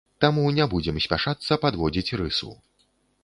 Таму не будзем спяшацца падводзіць рысу.